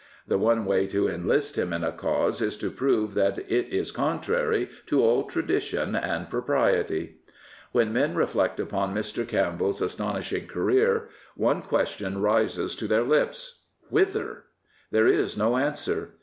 The one way to enlist him in a cause is to prove that it is contrary to all tradition and propriety. When men reflect upon Mr. Campbeirs astonishing career, one question rises to their lips: Whither? There is no answer.